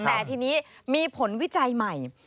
แต่ทีนี้มีผลวิจัยใหม่